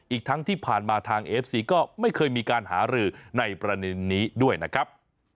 อีกทั้งที่ผ่านมาทางเอฟซีก็ไม่เคยมีการหารือในประเด็นนี้ด้วยนะครับ